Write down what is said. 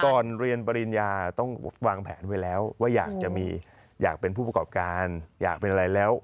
ก่อนเรียนปริญญาต้องวางแผนไว้แล้วว่าอยากจะมีอยากเป็นผู้ประกอบการอยากเป็นอะไรแล้ว